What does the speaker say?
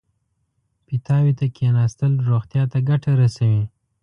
پیتاوي ته کېناستل روغتیا ته ګټه رسوي.